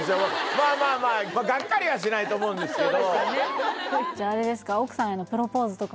まあまあまあがっかりはしないと思うんですけどじゃああれですか？